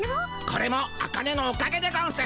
これもアカネのおかげでゴンス。